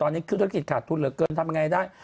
ตอนนี้ธุรกิจขาดทุนเหลือเกินทำยังไงได้